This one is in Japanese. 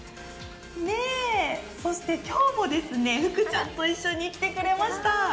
そして今日もフクちゃんと一緒に来てくれました。